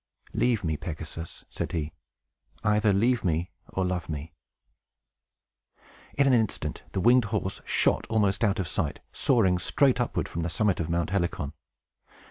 "Leave me, Pegasus!" said he. "Either leave me, or love me." In an instant, the winged horse shot almost out of sight, soaring straight upward from the summit of Mount Helicon.